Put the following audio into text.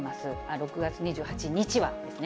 ６月２８日はですね。